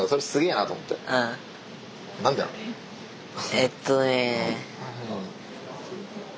えっとね。